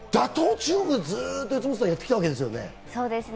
中国でずっとやってきたわけですよね？